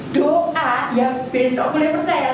doa yang besok boleh percaya